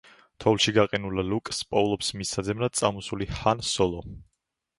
თოვლში გაყინულ ლუკს პოულობს მის საძებნად წამოსული ჰან სოლო.